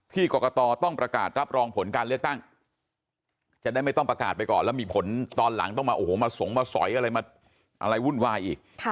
กรกตต้องประกาศรับรองผลการเลือกตั้งจะได้ไม่ต้องประกาศไปก่อนแล้วมีผลตอนหลังต้องมาโอ้โหมาสงมาสอยอะไรมาอะไรวุ่นวายอีก